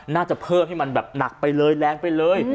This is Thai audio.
น่าจะเพิ่มให้มันแบบหนักไปเลยแรงไปเลย